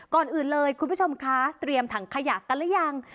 ก่อนอื่นเลยคุณผู้ชมคะเตรียมถังขยะกันหรือยัง